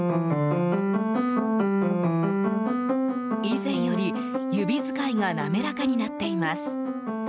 以前より指使いが滑らかになっています。